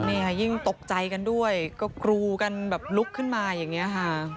นี่ค่ะยิ่งตกใจกันด้วยก็กรูกันแบบลุกขึ้นมาอย่างนี้ค่ะ